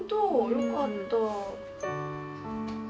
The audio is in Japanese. よかった。